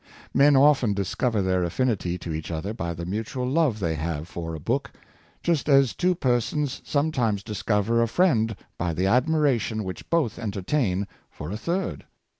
Men often discover their affinity to each other by the mutual love they have for a book — just as two persons sometimes discover a friend by the admiration which both entertain for a third.